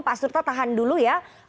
pak surta tahan dulu ya